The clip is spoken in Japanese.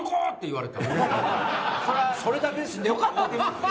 それだけで済んでよかったですよ。